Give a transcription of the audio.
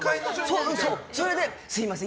それで、すみません